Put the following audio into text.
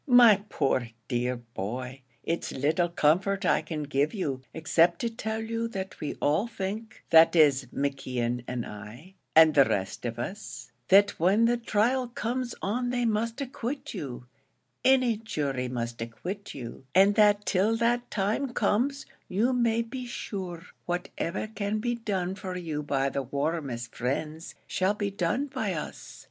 "My poor, dear boy, it's little comfort I can give you, except to tell you that we all think, that is McKeon and I, and the rest of us, that when the trial comes on they must acquit you any jury must acquit you; and that till that time comes, you may be sure whatever can be done for you by the warmest friends, shall be done by us.